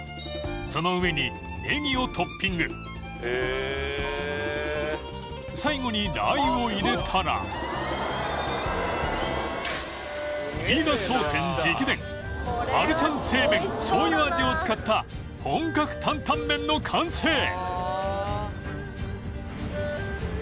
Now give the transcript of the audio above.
その上にネギをトッピング最後にラー油を入れたら飯田商店直伝マルちゃん正麺醤油味を使った本格担々麺の完成